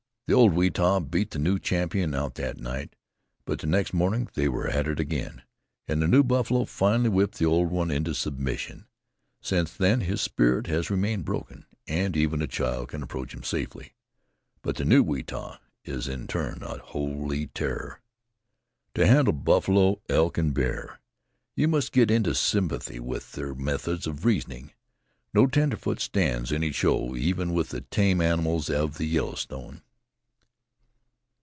The old Weetah beat the new champion out that night, but the next morning they were at it again, and the new buffalo finally whipped the old one into submission. Since then his spirit has remained broken, and even a child can approach him safely but the new Weetah is in turn a holy terror. "To handle buffalo, elk and bear, you must get into sympathy with their methods of reasoning. No tenderfoot stands any show, even with the tame animals of the Yellowstone."